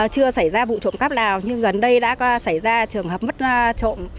chưa xảy ra vụ trộm cắp nào nhưng gần đây đã xảy ra trường hợp mất trộm